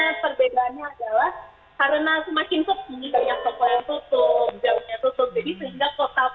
memang hanya perbedaannya adalah karena semakin tepi karena toko yang tutup jauhnya tutup